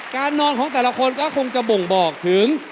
การนอนของแต่ละคนก็คงจะบ่งบอกถึง